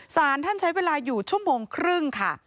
สารท่านใช้เวลาอยู่ชั่วโมงครึ่งค่ะ